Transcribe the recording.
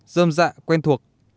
dơm dạ quen thuộc